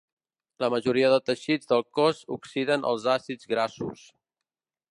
La majoria de teixits del cos oxiden els àcids grassos.